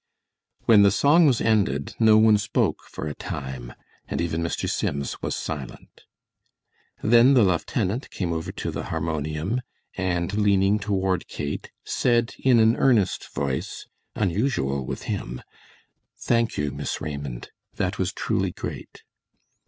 When the song was ended, no one spoke for a time, and even Mr. Sims was silent. Then the lieutenant came over to the harmonium, and leaning toward Kate, said, in an earnest voice, unusual with him, "Thank you Miss Raymond. That was truly great."